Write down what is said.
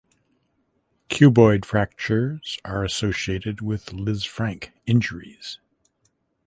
Cuboid fractures are associated with Lisfranc injuries.